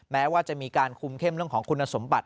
แม้ว่าจะมีการคุมเข้มเรื่องของคุณสมบัติ